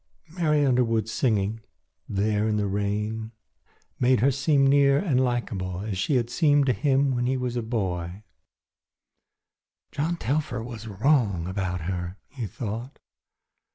Mary Underwood's singing there in the rain made her seem near and likeable as she had seemed to him when he was a barefoot boy. "John Telfer was wrong about her," he thought.